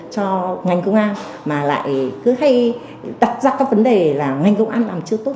cho ngành công an mà lại cứ hay đặt ra các vấn đề là ngành công an làm chưa tốt